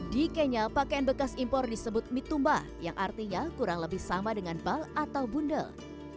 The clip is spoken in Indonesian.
di kenya pakaian bekas impor disebut mitumba yang artinya kurang lebih sama dengan bal atau bundel